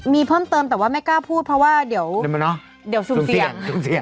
มีเพิ่มเติมแต่ว่าไม่กล้าพูดเพราะว่าเดี๋ยวซูมเสี่ยง